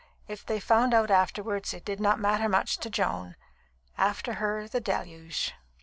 If they found out afterwards, it did not matter much to Joan. After her the Deluge.